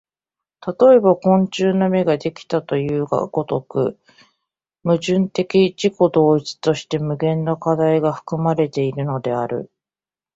例えば昆虫の眼ができたという如く、矛盾的自己同一として無限の課題が含まれているのである。